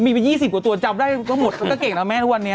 มีพี่เบอร์๒๐ตัวจับได้ก็หมดก็เก่งแล้วแม่วันเนี่ย